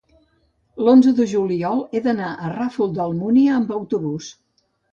L'onze de juliol he d'anar al Ràfol d'Almúnia amb autobús.